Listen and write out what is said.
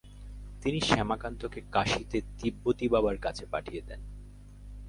তিনি শ্যামাকান্তকে কাশীতে তিব্বতীবাবার কাছে পাঠিয়ে দেন।